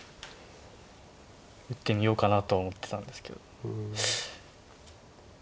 打ってみようかなとは思ってたんですけど。